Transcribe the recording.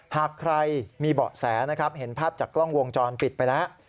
หากใครมีเบาะแสนะครับเห็นภาพจากกล้องวงจรปิดไปแล้ว